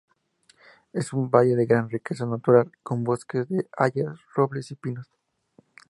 Es un valle de gran riqueza natural, con bosques de hayas, robles y pinos.